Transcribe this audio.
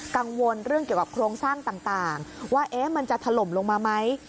กังวลเรื่องเกี่ยวกับโครงสร้างต่างว่ามันจะถล่มลงมาไหม